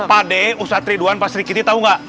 pak d ustadz ridwan pak sri kitty tau nggak